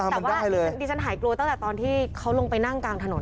แต่ว่าดิฉันหายกลัวตั้งแต่ตอนที่เขาลงไปนั่งกลางถนน